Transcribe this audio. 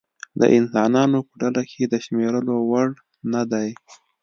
د انسانانو په ډله کې د شمېرلو وړ نه دی.